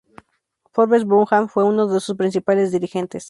Forbes Burnham fue uno de sus principales dirigentes.